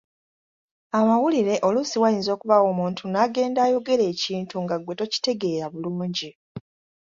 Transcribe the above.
Amawulire oluusi wayinza okubaawo omuntu n’agenda ayogera ekintu nga ggwe tokitegeera bulungi.